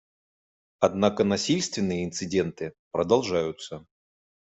Однако насильственные инциденты продолжаются.